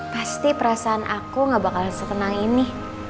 pasti perasaan aku gak bakal setenang ini